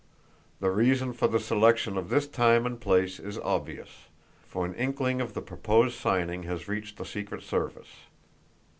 The reason for the selection of this time and place is obvious, for an inkling of the proposed signing has reached the Secret Service.